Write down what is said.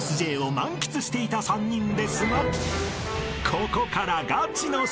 ［ここから］